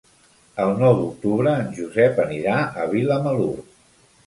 El nou d'octubre en Josep anirà a Vilamalur.